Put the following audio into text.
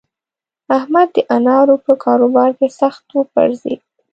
احمد د انارو په کاروبار کې سخت وپرځېد.